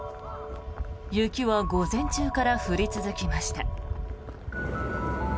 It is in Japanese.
雪は午前中から降り続きました。